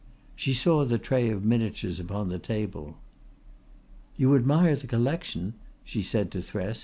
She saw the tray of miniatures upon the table. "You admire the collection?" she said to Thresk.